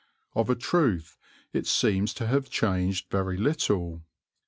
(Of a truth it seems to have changed very little.)